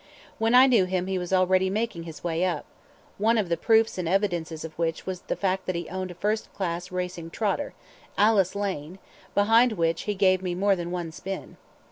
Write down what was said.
When I knew him he was already making his way up; one of the proofs and evidences of which was that he owned a first class racing trotter "Alice Lane" behind which he gave me more than one spin.